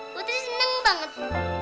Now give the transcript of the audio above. putri seneng banget